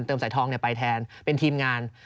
สายทองไปแทนเป็นทีมงาน